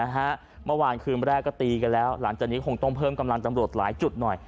เมื่อคืนแรกก็ตีกันแล้วหลังจากนี้คงต้องเพิ่มกำลังตำรวจหลายจุดหน่อย